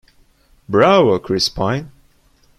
Bravo, Chris Pine!